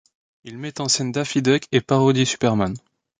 Il met en scène Daffy Duck et parodie Superman.